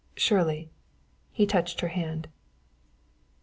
"Shirley!" He touched her hand.